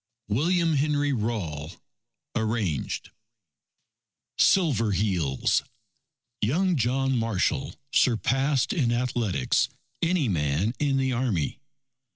William Henry Rawle (Arranged) SILVER HEELS Young John Marshall surpassed in athletics, any man in the Army.